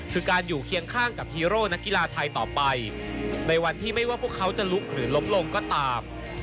คือการอยู่เคียงข้างกับฮีโร่นักกีฬาไทยต่อไปในวันที่ไม่ว่าพวกเขาจะลุกหรือล้มลงก็ตาม